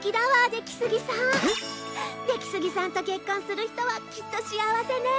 出木杉さんと結婚する人はきっと幸せね。